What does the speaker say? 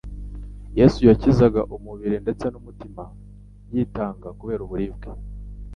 Yesu yakizaga umubiri ndetse n'umutima. Yitaga ku buribwe bwose,